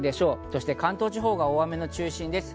そして関東地方が大雨の中心です。